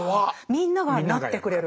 みんながなってくれる。